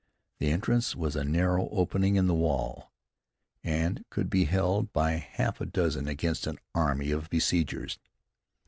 The entrance was a narrow opening in the wall, and could be held by half a dozen against an army of besiegers.